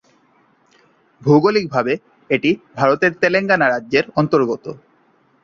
ভৌগোলিকভাবে এটি ভারতের তেলেঙ্গানা রাজ্যের অন্তর্গত।